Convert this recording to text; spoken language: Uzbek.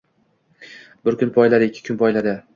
Bir kun poyladi, ikki kun poyladi.